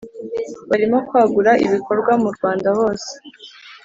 barimo kwagura ibikorwa mu Rwanda hose